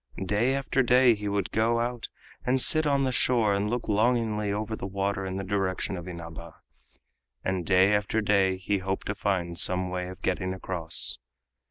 Day after day he would go out and sit on the shore and look longingly over the water in the direction of Inaba, and day after day he hoped to find some way of getting across.